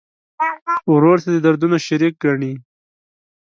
ورور ته د دردونو شریک ګڼې.